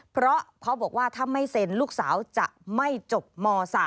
เพราะเขาบอกว่าถ้าไม่เซ็นลูกสาวจะไม่จบม๓